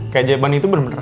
keajaiban itu bener bener ada